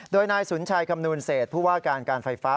โดยนายสุนชัยคำนวณเศษผู้ว่าการการไฟฟ้า